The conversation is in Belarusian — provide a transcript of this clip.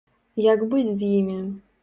Як быць з імі?